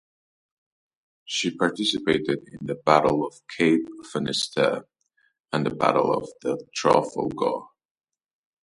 She participated in the Battle of Cape Finisterre and the Battle of Trafalgar.